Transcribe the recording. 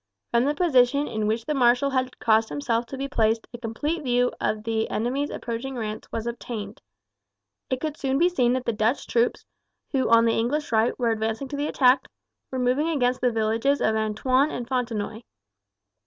From the position in which the marshal had caused himself to be placed a complete view of the enemy's approaching ranks was obtained. It could soon be seen that the Dutch troops, who on the English right were advancing to the attack, were moving against the villages of Antoin and Fontenoy.